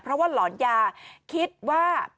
เพราะว่าหลอนยาคิดว่า